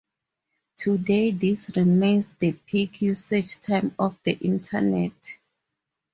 Today this remains the peak usage time of the Internet.